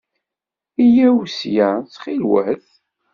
Yya-w ssya, ttxwil-wat.